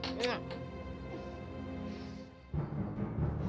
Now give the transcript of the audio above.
ini dia ibu